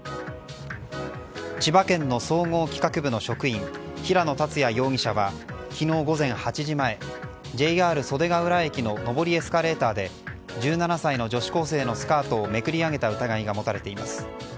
千葉県の総合企画部の職員平野達也容疑者は昨日午前８時前、ＪＲ袖ケ浦駅の上りエスカレーターで１７歳の女子高生のスカートをめくり上げた疑いが持たれています。